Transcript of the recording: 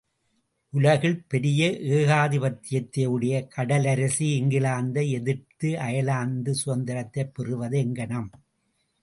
உலகில் பெரிய ஏகாதிபத்தியத்தையுடைய கடலரசி இங்கிலாந்தை எதிர்த்து அயர்லாந்து சுதந்திரத்தைப் பெறுவது எங்ஙனம்?